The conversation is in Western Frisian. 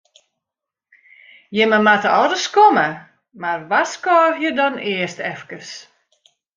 Jimme moatte al ris komme, mar warskôgje dan earst efkes.